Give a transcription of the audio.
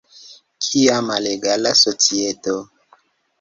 Kia malegala societo!